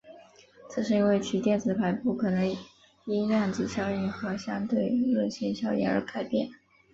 这是因为其电子排布可能因量子效应和相对论性效应而改变。